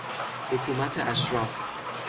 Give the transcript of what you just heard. حکومت اشراف